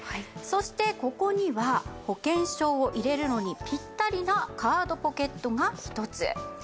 そしてここには保険証を入れるのにピッタリなカードポケットが１つ。